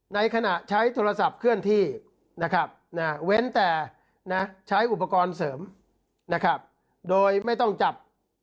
ในขณะใช้โทรศัพท์เคลื่อนที่นะครับเว้นแต่นะใช้อุปกรณ์เสริมนะครับโดยไม่ต้องจับ